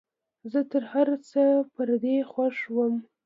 زه تر هرڅه پر دې خوښ وم.